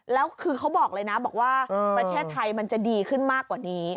แล้วคือเขาบอกเลยนะบอกว่าประเทศไทยมันจะดีขึ้นมากกว่านี้